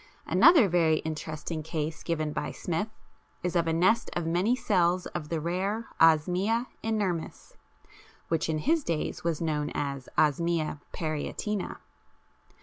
Another very interesting case given by Smith is of a nest of many cells of the rare Osmia inermis (which in his days was known as Osmia parietina).